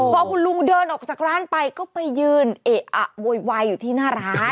พอคุณลุงเดินออกจากร้านไปก็ไปยืนเอะอะโวยวายอยู่ที่หน้าร้าน